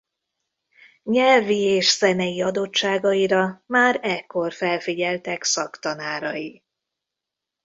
Nyelvi és zenei adottságaira már ekkor felfigyeltek szaktanárai.